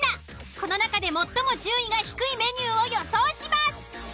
この中で最も順位が低いメニューを予想します。